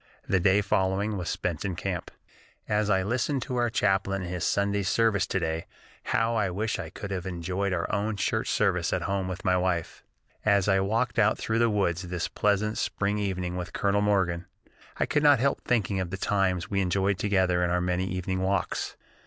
The day following was spent in camp: "As I listened to our chaplain in his Sunday service to day, how I wished I could have enjoyed our own church service at home with my wife. As I walked out through the woods this pleasant spring evening with Colonel Morgan, I could not help thinking of the times we enjoyed together in our many evening walks.